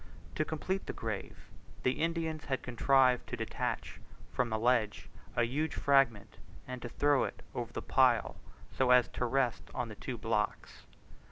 To complete the grave, the Indians had contrived to detach from the ledge a huge fragment, and to throw it over the pile so as to rest on the two blocks.